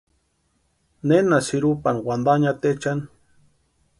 ¿Néna sïrupani wantanhiataechani?